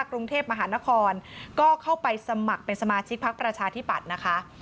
กรุงเทพมหานครก็เข้าไปสมัครเป็นสมาชิกพักประชาธิปัตย์นะคะ